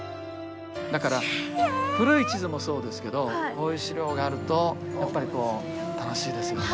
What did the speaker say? だから古い地図もそうですけどこういう資料があるとやっぱり楽しいですよね。